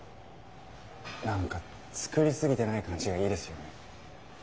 なんか作りすぎてない感じがいいですよね。